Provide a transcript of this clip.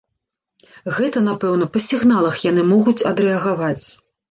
Гэта, напэўна, па сігналах яны могуць адрэагаваць.